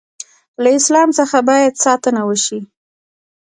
له اسلام څخه باید ساتنه وشي.